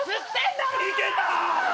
いけたー！